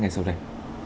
ngay sau đây